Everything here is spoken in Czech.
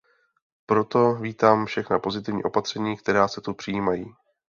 Proto vítám všechna pozitivní opatření, která se tu přijímají.